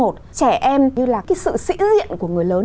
trẻ em như là cái sự sĩ diện của người lớn